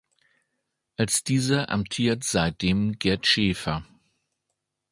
Als dieser amtiert seitdem Gerd Schäfer.